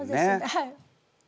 はい！